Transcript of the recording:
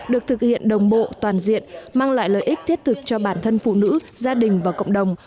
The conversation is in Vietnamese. được thực hiện đồng bộ toàn diện mang lại lợi ích thiết thực cho bản thân phụ nữ gia đình và cộng đồng